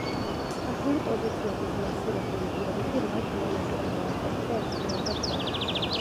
ქართული პოზიციების მასირებული იერიში რვა კილომეტრიან მონაკვეთზე ერთდროულად დაიწყო.